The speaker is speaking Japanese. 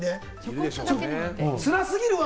つらすぎるわ！